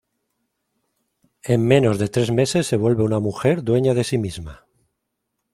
En menos de tres meses se vuelve una mujer dueña de sí misma.